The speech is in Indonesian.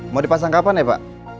mau dipasang kapan ya pak